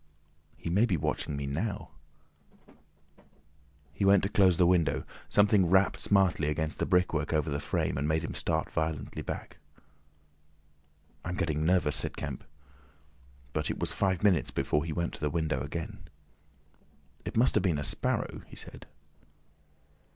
"He may be watching me now." He went close to the window. Something rapped smartly against the brickwork over the frame, and made him start violently back. "I'm getting nervous," said Kemp. But it was five minutes before he went to the window again. "It must have been a sparrow," he said.